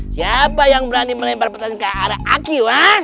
siapa yang berani melebar petasan ke arah akiu ha